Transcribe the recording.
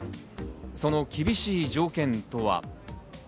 その厳しい条件とは。